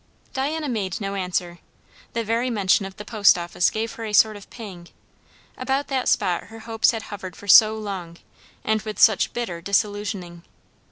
Diana made no answer. The very mention of the post office gave her a sort of pang; about that spot her hopes had hovered for so long, and with such bitter disillusionising.